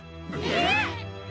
えっ！？